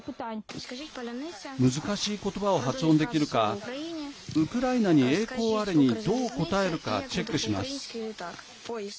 難しい言葉を発音できるか「ウクライナに栄光あれ」にどう答えるか、チェックします。